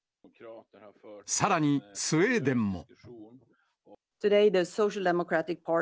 さらに、スウェーデンも。